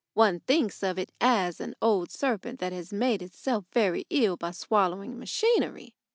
One thinks of it as an old serpent that has made itself very ill by swallowing machinery.